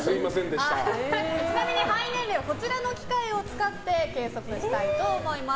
ちなみに肺年齢はこちらの機械を使って計測したいと思います。